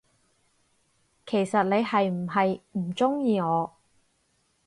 其實你係唔係唔鍾意我，？